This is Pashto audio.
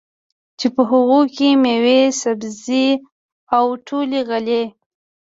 چې په هغو کې مېوې، سبزۍ او ټولې غلې